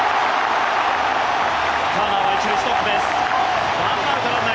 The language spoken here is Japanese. ターナーは１塁ストップです。